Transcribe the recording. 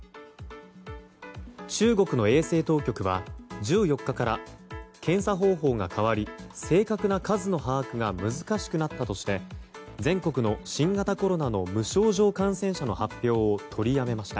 中国の衛生当局は１４日から検査方法が変わり、正確な数の把握が難しくなったとして全国の新型コロナの無症状感染者の発表を取りやめました。